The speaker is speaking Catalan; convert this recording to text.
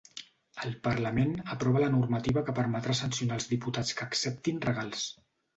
El parlament aprova la normativa que permetrà sancionar els diputats que acceptin regals